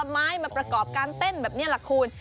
ถือผักถือผลไม้มาประกอบการเต้นแบบนี้แหละคุณ